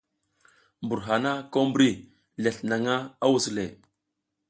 Mbur hana ko mbri lesl naƞ a wus le.